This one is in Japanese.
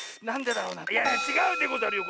いやいやちがうでござるよ